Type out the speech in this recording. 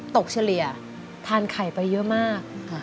เฉลี่ยทานไข่ไปเยอะมาก